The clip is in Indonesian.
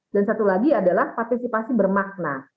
dan satu lagi adalah partisipasi bermakna